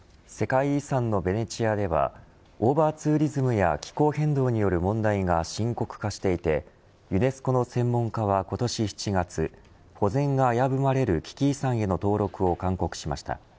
世界遺産のベネチアではオーバーツーリズムや気候変動による問題が深刻化していてユネスコの専門家は今年７月保全が危ぶまれる危機遺産への登録を勧告しました。